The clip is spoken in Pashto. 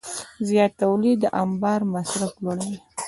زیات تولید د انبار مصارف لوړوي.